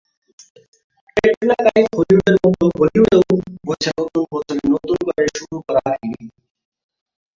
ক্যাটরিনা কাইফহলিউডের মতো বলিউডেও বইছে নতুন বছরে নতুন করে শুরু করার হিড়িক।